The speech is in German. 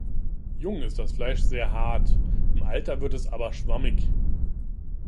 Jung ist das Fleisch sehr hart, im Alter wird es aber schwammig.